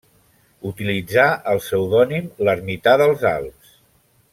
Utilitzà el pseudònim l'Ermità dels Alps.